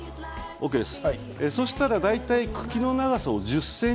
ＯＫです。